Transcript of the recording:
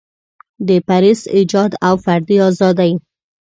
د پریس ایجاد او فردي ازادۍ.